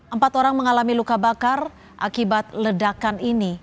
empat orang mengalami luka bakar akibat ledakan ini